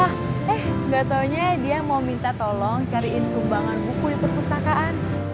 eh nggak taunya dia mau minta tolong cariin sumbangan buku di perpustakaan